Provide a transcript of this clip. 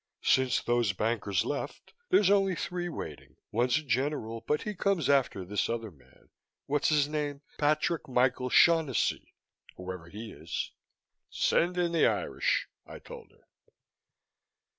"Since those bankers left, there's only three waiting. One's a general but he comes after this other man, what's his name, Patrick Michael Shaughnessy, whoever he is." "Send in the Irish," I told her.